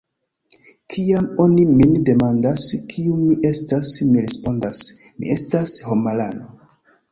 Kiam oni min demandas, kiu mi estas, mi respondas: “Mi estas homarano.”